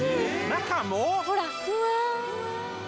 中も！？